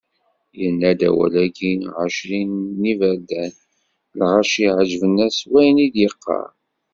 Yenna-d awal-agi ɛecrin n yiberdan, lɣaci yeɛǧeb-asen wayen i d-yeqqar.